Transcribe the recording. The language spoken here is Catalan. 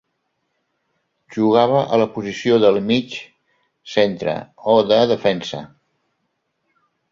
Jugava a la posició de mig centre o de defensa.